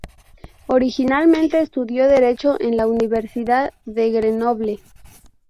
Originalmente estudió derecho en la Universidad de Grenoble.